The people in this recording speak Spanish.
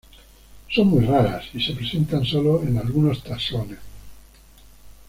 Son muy raras, y se presentan solo en algunos taxones.